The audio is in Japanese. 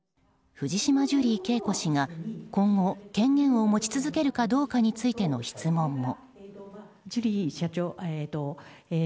藤島ジュリー景子氏が今後、権限を持ち続けるかどうかについての質問も。